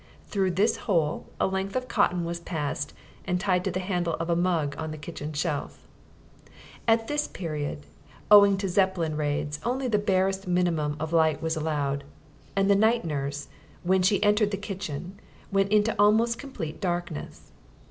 Through this hole a length of cotton was passed and tied to the handle of a mug on the kitchen shelf. At this period, owing to the Zeppelin raids, only the barest minimum of light was allowed, and the night nurse, when she entered the kitchen, went into almost complete darkness.